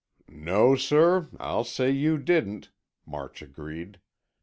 "No, sir, I'll say you didn't," March agreed.